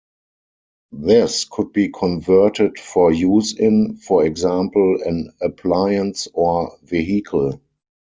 This could be converted for use in, for example, an appliance or vehicle.